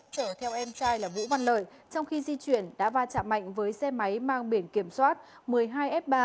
chở theo em trai là vũ văn lợi trong khi di chuyển đã va chạm mạnh với xe máy mang biển kiểm soát một mươi hai f ba chín nghìn một trăm sáu mươi ba